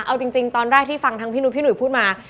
เอาจริงตอนแรกที่ฟังทั้งพี่นุษยพี่หนุ่ยพูดมา